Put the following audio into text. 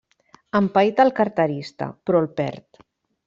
Empaita el carterista, però el perd.